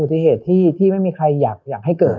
ติเหตุที่ไม่มีใครอยากให้เกิด